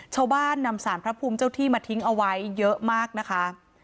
ชาวบ้านนำสารพระภูมิเจ้าที่มาทิ้งเอาไว้เยอะมากนะคะ